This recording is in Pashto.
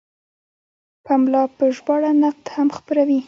پملا په ژباړه نقد هم خپروي.